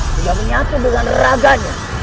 dia menyatu dengan raganya